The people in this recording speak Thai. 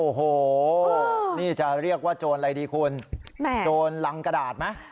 โอ้โหนี่จะเรียกว่าโจรอะไรดีคุณโจรรังกระดาษไหม